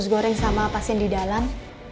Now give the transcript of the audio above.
goreng sama pasien di dalam